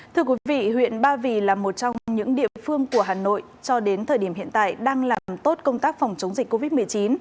thưa quý vị huyện ba vì là một trong những địa phương của hà nội cho đến thời điểm hiện tại đang làm tốt công tác phòng chống dịch covid một mươi chín